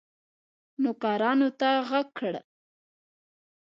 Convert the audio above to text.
نوکرانو ته ږغ کړل.